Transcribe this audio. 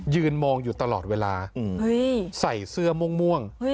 ยืนมองอยู่ตลอดเวลาใส่เสื้อม่วง